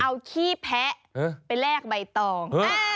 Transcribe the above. เอาขี้แพะไปแลกใบตอง